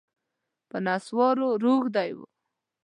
په نسوارو روږدی و